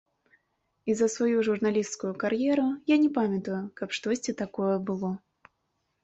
І за сваю журналісцкую кар'еру я не памятаю, каб штосьці такое было.